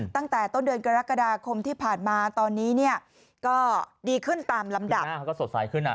ตั้งแต่ต้นเดือนกรกฎาคมที่ผ่านมาตอนนี้ก็ดีขึ้นตามลำดับ